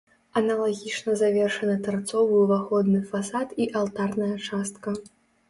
Аналагічна завершаны тарцовы ўваходны фасад і алтарная частка.